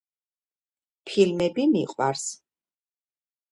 ფილმები მიყვარს.